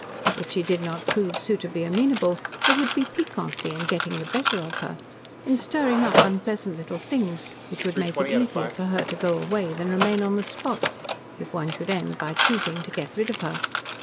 If she did not prove suitably amenable, there would be piquancy in getting the better of her in stirring up unpleasant little things, which would make it easier for her to go away than remain on the spot if one should end by choosing to get rid of her.